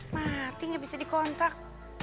mati gak bisa dikontak